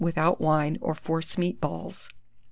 without wine or force meat balls.